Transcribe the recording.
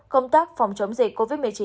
công tác phòng chống dịch covid một mươi chín